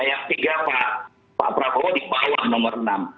yang tiga pak prabowo dibawah nomor enam